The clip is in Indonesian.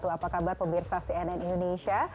apa kabar pemirsa cnn indonesia